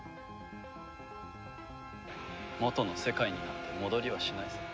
元の世界になんて戻りはしないさ。